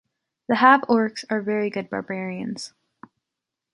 The Half-Orcs are very good barbarians.